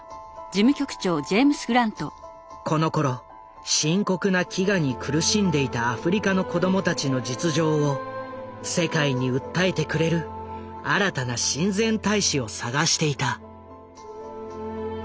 このころ深刻な飢餓に苦しんでいたアフリカの子供たちの実情を世界に訴えてくれる新たな親善大使を探していた。